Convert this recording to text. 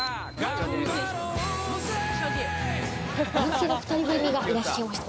男性の２人組がいらっしゃいました。